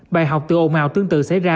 bài học từ ồn ào tương tự xảy ra